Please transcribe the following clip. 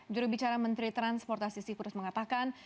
jurubicara menteri transportasi sifurus mengatakan